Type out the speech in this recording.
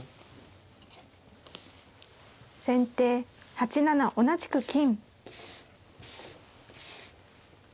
先手８七同じく金。